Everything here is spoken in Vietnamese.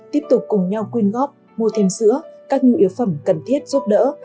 tiếp tục cùng nhau quyên góp mua thêm sữa các nhu yếu phẩm cần thiết giúp đỡ